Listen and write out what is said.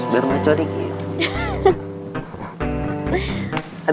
biar gak codikin